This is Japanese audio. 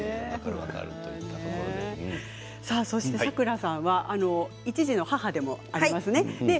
サクラさんは１児の母でもありますね。